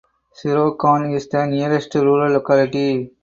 Shirokon is the nearest rural locality.